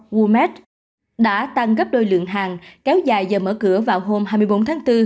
woomet đã tăng gấp đôi lượng hàng kéo dài giờ mở cửa vào hôm hai mươi bốn tháng bốn